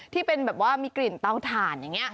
ที่เป็นแบบว่ามีกลิ่นเตาถ่านอย่างนี้